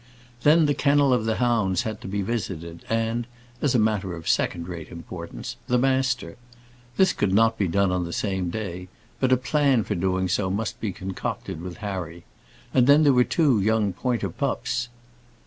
Then the kennel of the hounds had to be visited, and as a matter of second rate importance the master. This could not be done on the same day; but a plan for doing so must be concocted with Harry and then there were two young pointer pups.